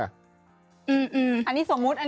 อันนี้สมมุติอันนี้สมมุติ